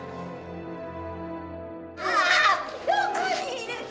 あどこにいるの？